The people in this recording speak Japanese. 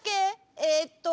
えっと。